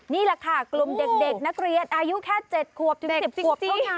นี่แหละค่ะกลุ่มเด็กนักเรียนอายุแค่๗ขวบถึง๑๐ขวบเท่านั้น